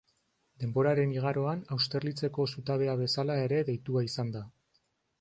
Denboraren igaroan Austerlitzeko zutabea bezala ere deitua izan da.